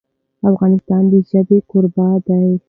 افغانستان د ژبې کوربه دی.